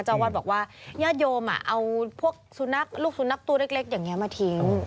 เจ้าวัดบอกว่าญาติโยมเอาพวกสุนัขลูกสุนัขตัวเล็กอย่างนี้มาทิ้ง